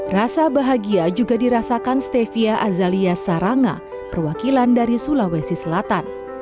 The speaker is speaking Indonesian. rasa bahagia juga dirasakan stevia azalia saranga perwakilan dari sulawesi selatan